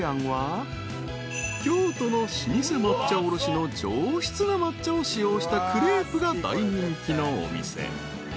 ［京都の老舗抹茶卸の上質な抹茶を使用したクレープが大人気のお店］